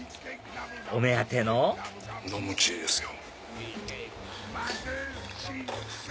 お目当ての飲むチーですよ。